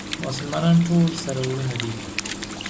مسلمانان ټول سره وروڼه دي